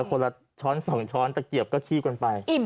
คนละช้อน๒ช้อนตะเกียบก็ขี้กันไป